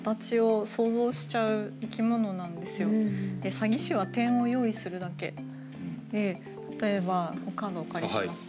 詐欺師は点を用意するだけで例えばカードをお借りしますね。